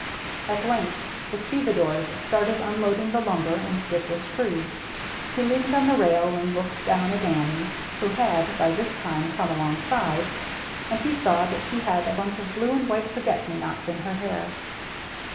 At length the stevedores started unloading the lumber and Dick was free. He leaned on the rail and looked down at Annie who had by this time come alongside ; and he saw that she had a bunch of blue and white forget me nots in her hair.